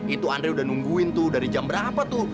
itu andre udah nungguin tuh dari jam berapa tuh